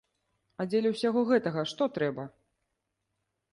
А дзеля ўсяго гэтага што трэба?